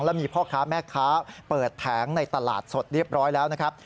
แล้วมีพ่อค้าแม่ค้าเปิดแผงในตลาดสดเรียบร้อยแล้วนะครับ